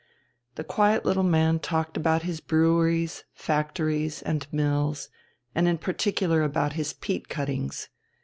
The quiet little man talked about his breweries, factories, and mills, and in particular about his peat cuttings.